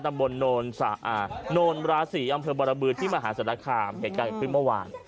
ตำบลโนรสาอ่าโนราศรีอำเภอบราบืนที่มหาสรรคามเหตุการณ์ขึ้นเมื่อวาน